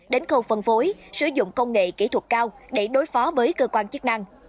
đến khâu phân phối sử dụng công nghệ kỹ thuật cao để đối phó với cơ quan chức năng